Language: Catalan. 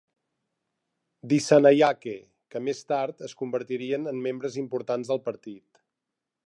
Dissanayake, que més tard es convertirien en membres importants del partit.